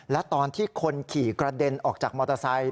และตอนที่คนขี่กระเด็นออกจากมอเตอร์ไซค